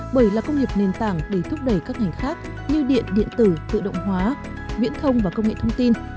bởi là công nghiệp nền tảng để thúc đẩy các ngành khác như điện điện tử tự động hóa viễn thông và công nghệ thông tin